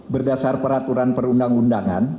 berdasar peraturan perundang undangan